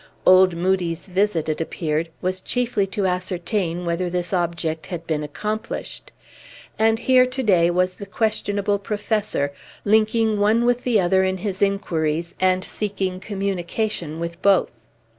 Old Moodie's visit, it appeared, was chiefly to ascertain whether this object had been accomplished. And here, to day, was the questionable Professor, linking one with the other in his inquiries, and seeking communication with both.